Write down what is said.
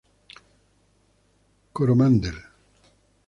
Coromandel" i.